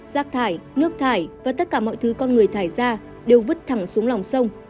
rác thải nước thải và tất cả mọi thứ con người thải ra đều vứt thẳng xuống lòng sông